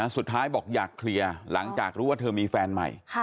สุดท้ายบอกอยากเคลียร์หลังจากรู้ว่าเธอมีแฟนใหม่